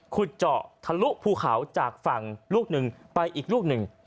ขุดเจาะทะลุภูเขาจากฝั่งลูกหนึ่งไปอีกลูกหนึ่ง